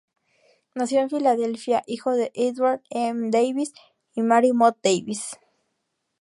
Nació en Filadelfia hijo de Edward M. Davis y Mary Mott Davis.